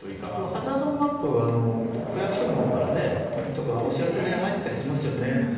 ハザードマップは区役所からとかお知らせに入ってたりしますよね。